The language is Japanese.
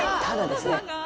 ただですね